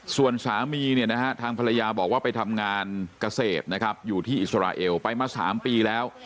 ส่วนสามีเนี่ยนะฮะทางภรรยาบอกว่าไปทำงานเกษตรนะครับอยู่ที่อิสราเอลไปมา๓ปีแล้ว